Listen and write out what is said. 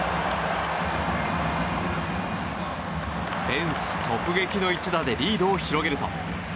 フェンス直撃の一打でリードを広げると。